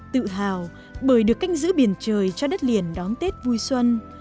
tự hào bởi được canh giữ biển trời cho đất liền đón tết vui xuân